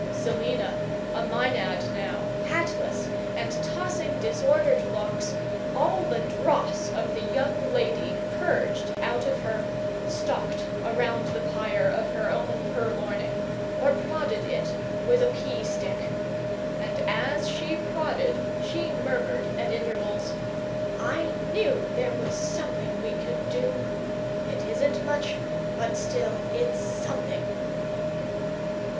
Selina, a Maenad now, hatless and tossing disordered locks, all the dross of the young lady purged out of her, stalked around the pyre of her own purloining, or prodded it with a pea stick. And as she prodded she murmured at intervals, "I KNEW there was something we could do! It isn't much but still it's SOMETHING!"